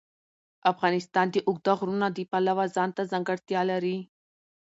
افغانستان د اوږده غرونه د پلوه ځانته ځانګړتیا لري.